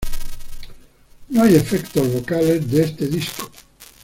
No hay efectos vocales de este disco.